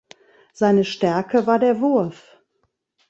Seine Stärke war der Wurf.